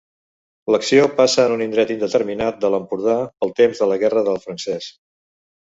L'acció passa en un indret indeterminat de l'Empordà pel temps de la Guerra del Francès.